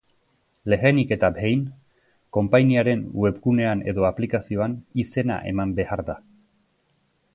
Lehenik eta behin, konpainiaren webgunean edo aplikazioan izena eman behar da.